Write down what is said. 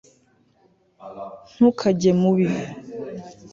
ntukajye mubi